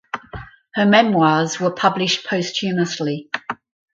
Her memoirs were published posthumously.